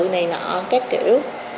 này nọ các kiểu